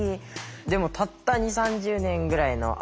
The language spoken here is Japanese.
でもたった２０３０年ぐらいの間じゃないですか。